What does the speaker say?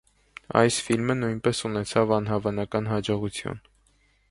Այս ֆիլմը նույնպես ունեցավ անհավանական հաջողություն։